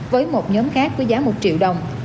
với một nhóm khác với giá một triệu đồng